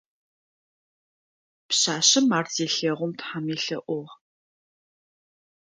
Пшъашъэм ар зелъэгъум тхьэм елъэӏугъ.